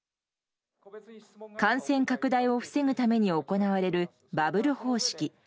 感染拡大を防ぐために行われるバブル方式。